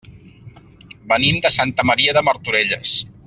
Venim de Santa Maria de Martorelles.